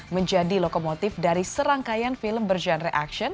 menjadi lokomotif dari serangkaian film berjenre aksion